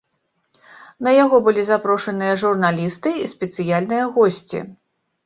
На яго былі запрошаныя журналісты і спецыяльныя госці.